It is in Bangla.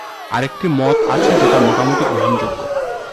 আরেকটি মত আছে যেটা মোটামুটি গ্রহণযোগ্য।